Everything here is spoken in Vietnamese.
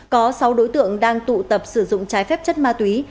có sáu đối tượng đang tụ tập sử dụng trái phép chất ma túy